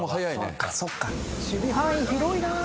守備範囲広いな。